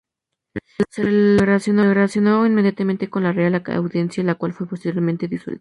Se lo relacionó inmediatamente con la Real Audiencia, la cual fue posteriormente disuelta.